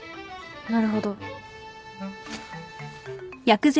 なるほど。